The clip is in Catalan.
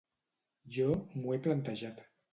Jo m’ho he plantejat.